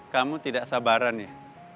kamu tidak sabaran ya